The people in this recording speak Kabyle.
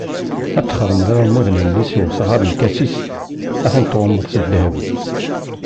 Ad txedmeḍ iɛmuden-nni s wesɣar n lkasis, ad ten-tɣummeḍ s ddheb.